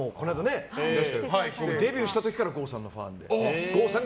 デビューした時から郷さんのファンで。